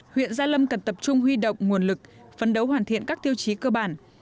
huyện gia lâm cần tập trung huy động nguồn lực phấn đấu hoàn thiện các tiêu chí cơ bản